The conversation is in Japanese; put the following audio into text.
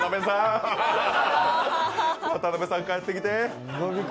渡辺さん、帰ってきて。